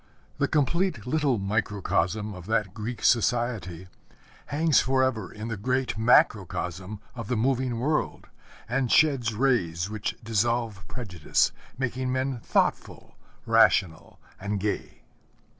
The complete little microcosm of that Greek society hangs forever in the great macrocosm of the moving world, and sheds rays which dissolve prejudice, making men thoughtful, rational, and gay.